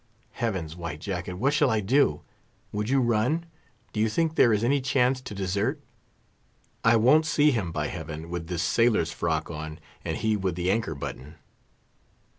Heavens! White Jacket, what shall I do? Would you run? Do you think there is any chance to desert? I won't see him, by Heaven, with this sailor's frock on, and he with the anchor button!"